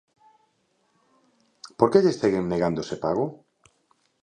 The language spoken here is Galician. ¿Por que lles seguen negando ese pago?